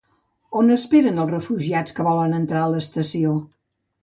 On esperen els refugiats que volen entrar a l'estació?